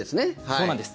そうなんです。